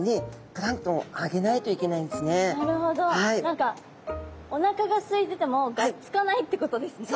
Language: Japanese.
何かおなかがすいててもがっつかないってことですね。